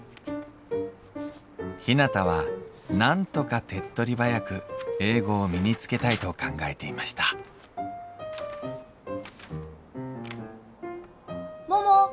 ひなたはなんとか手っとり早く英語を身につけたいと考えていました・桃。